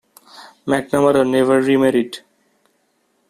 McNamara never remarried.